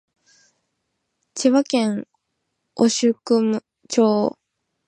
千葉県御宿町